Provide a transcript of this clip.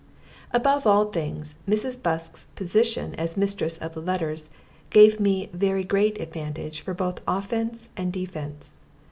Above all things, Mrs. Busk's position, as mistress of the letters, gave me very great advantage both for offense and defense.